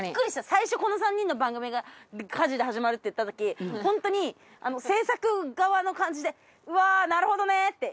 最初この３人の番組が「家事」で始まるっていった時本当に制作側の感じで「うわーなるほどね」って言った。